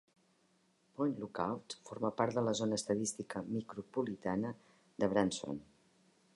Point Lookout forma part de la zona estadística micropolitana de Branson.